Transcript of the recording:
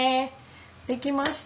できました。